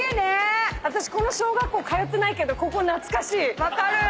私この小学校通ってないけどここ懐かしい。